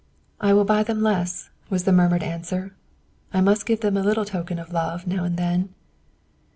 "I will buy them less," was the murmured answer. "I must give them a little token of love now and then."